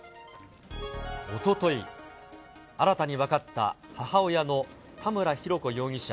おととい、新たに分かった母親の田村浩子容疑者